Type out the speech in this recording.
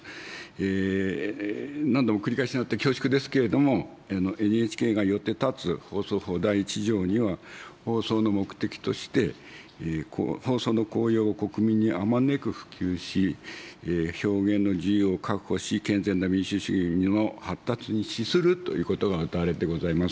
何度も繰り返しになって恐縮ですけれども、ＮＨＫがよって立つ放送法第１条には、放送の目的として、放送の効用を国民にあまねく普及し、表現の自由を確保し、健全な民主主義の発達に資するということがうたわれてございます。